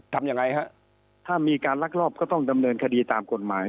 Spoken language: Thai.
ทำยังไงฮะถ้ามีการลักลอบก็ต้องดำเนินคดีตามกฎหมาย